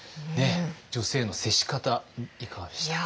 女性への接し方いかがでしたか？